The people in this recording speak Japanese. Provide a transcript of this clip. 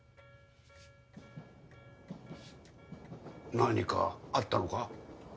何かあったのか？